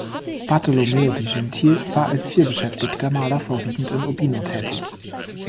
Bartolomeo di Gentile war als vielbeschäftigter Maler vorwiegend in Urbino tätig.